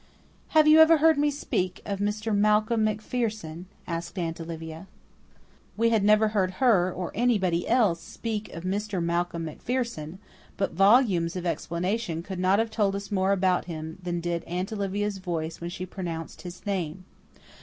"Have you ever heard me speak of Mr. Malcolm MacPherson?" asked Aunt Olivia. We had never heard her, or anybody else, speak of Mr. Malcolm MacPherson; but volumes of explanation could not have told us more about him than did Aunt Olivia's voice when she pronounced his name.